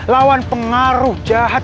lawan pengaruh jahat